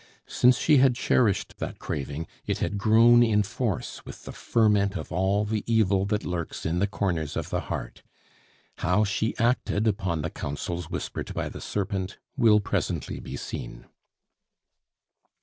Since she had cherished that craving, it had grown in force with the ferment of all the evil that lurks in the corners of the heart. How she acted upon the counsels whispered by the serpent will presently be seen.